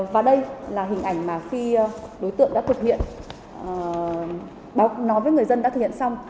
và đây là hình ảnh mà khi đối tượng đã thực hiện nói với người dân đã thực hiện xong